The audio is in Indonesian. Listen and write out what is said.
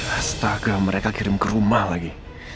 hastagram mereka kirim ke rumah lagi